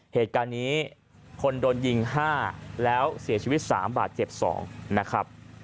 เหตุการณ์นี้คนโดนยิง๕แล้วเสียชีวิต๓บาทเจ็บ๒นะครับ